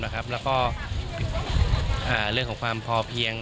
และเรื่องความพอเพียง